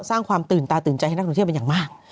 สร้างความตื่นตาตื่นใจให้นักท่องเที่ยวเป็นอย่างมาก